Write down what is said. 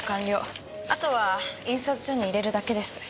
あとは印刷所に入れるだけです。